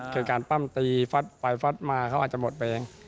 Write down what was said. คือการปั้มตีฟัดไปฟัดมาเขาอาจจะหมดไปเอง